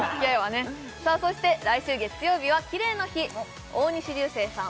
そして来週月曜日はキレイの日大西流星さん